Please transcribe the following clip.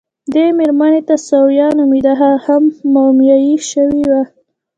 دې مېرمنې ته ثویا نومېده، هغه هم مومیايي شوې وه.